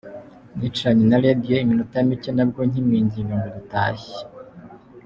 Nicaranye na Radio iminota mike nabwo nkimwinginga ngo dutahe.